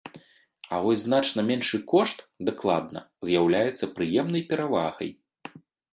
А вось значна меншы кошт, дакладна, з'яўляецца прыемнай перавагай.